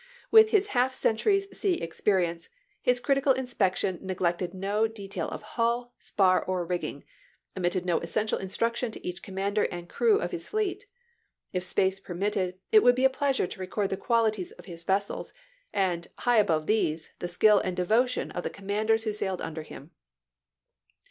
With his half century's sea experience, his critical inspection neglected no detail of hull, spar, or rigging, omitted no essential instruction to each commander and crew of his fleet. If space permitted it would be a pleasure to record the qualities of his vessels, and, high above these, the skill and devotion of the commanders who sailed under him.